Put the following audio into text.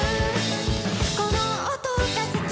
「この音が好き」